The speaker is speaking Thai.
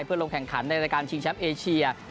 เพื่อลงแข่งขันในรายการชิงแชมป์เอเชีย